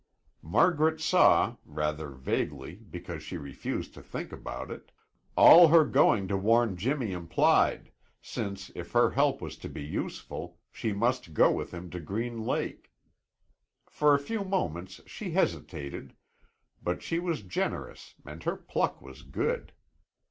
Margaret saw, rather vaguely because she refused to think about it, all her going to warn Jimmy implied, since if her help was to be useful, she must go with him to Green Lake. For a few moments she hesitated, but she was generous and her pluck was good.